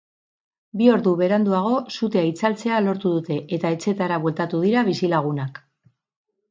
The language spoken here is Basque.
Bi ordu beranduago sutea itzaltzea lortu dute eta etxeetara bueltatu dira bizilagunak.